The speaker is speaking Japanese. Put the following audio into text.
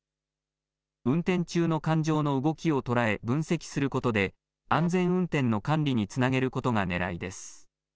運転中の感情の動きを捉え分析することで安全運転の管理につなげることがねらいです。